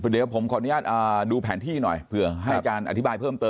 เดี๋ยวผมขออนุญาตดูแผนที่หน่อยเผื่อให้การอธิบายเพิ่มเติม